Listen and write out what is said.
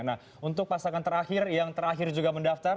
nah untuk pasangan terakhir yang terakhir juga mendaftar